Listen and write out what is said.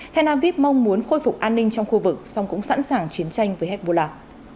thay nam viếp mong muốn khôi phục an ninh trong khu vực xong cũng sẵn sàng chiến tranh với hezbollah